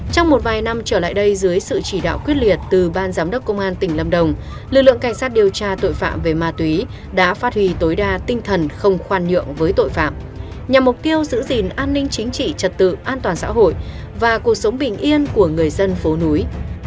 trong một vài năm trở lại đây dưới sự chỉ đạo quyết liệt từ ban giám đốc công an tỉnh lâm đồng lực lượng cảnh sát điều tra tội phạm về ma túy đã phát huy tối đa tinh thần không khoan nhượng với tội phạm nhằm mục tiêu giữ gìn an ninh chính trị trật tự an toàn xã hội và cuộc sống bình yên của người dân phố núi